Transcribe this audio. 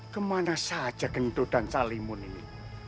kemana saja gendo dan salimun ini